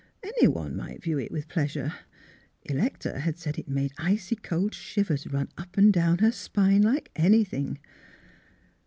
Any one might view it with pleasure. Electa had said it made icy cold shivers run up and down her spine like anything.